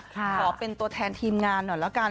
ขอเป็นตัวแทนทีมงานหน่อยละกัน